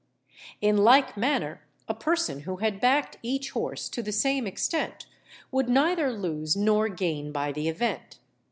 In like manner, a person who had backed each horse to the same extent would neither lose nor gain by the event.